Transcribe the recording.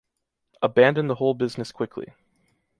Abandon the whole business quickly.